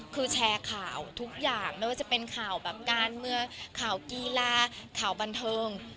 คือแชร์ข่าวทุกอย่างไม่ว่าจะเป็นข่าวแบบการเมืองข่าวกีฬาข่าวบันเทิง